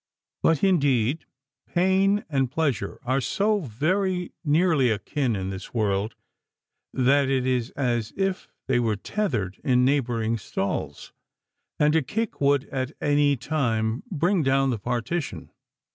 But, indeed, pain and pleasure are so very nearly akin in this world, that it is as if they were tethered in neighbouring stalls, and a kick would at any time bring down the partition.